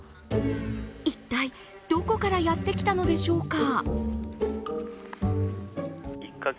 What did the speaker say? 一体どこからやってきたのでしょうか？